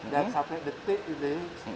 dan sampai detik ini